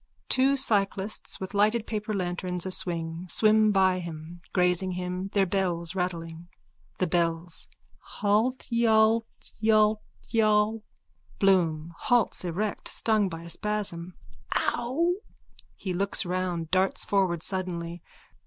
(Two cyclists, with lighted paper lanterns aswing, swim by him, grazing him, their bells rattling.) THE BELLS: Haltyaltyaltyall. BLOOM: (Halts erect, stung by a spasm.) Ow! _(He looks round, darts forward suddenly.